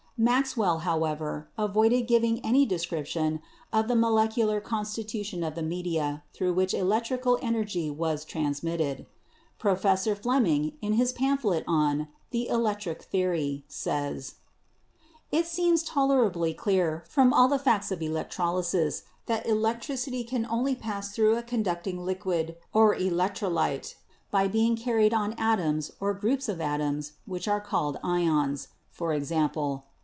Maxwell, however, avoided giving any description of the molecular constitution of the media through which electrical energy was trans mitted. Professor Fleming, in his pamphlet on the "Electronic Theory," says: "It seems tolerably clear from all the facts of electroly sis that electricity can only pass through a conducting liquid or electrolyte by being carried on atoms or groups of atoms which are called ions — i.e.